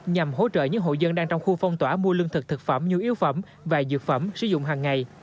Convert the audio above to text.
nhằm hỗ trợ những hộ dân đang trong khu phong tỏa mua lương thực thực phẩm nhu yếu phẩm và dược phẩm sử dụng hàng ngày